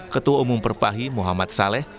ketua umum perpahi muhammad saleh